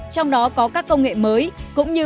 trong đó có các công nghệ mới cũng như